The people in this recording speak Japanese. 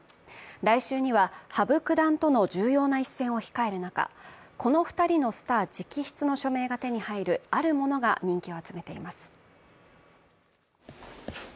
来週には羽生九段との重要な一戦を控える中、この２人のスター直筆の署名が手に入るあるものが人気を集めています。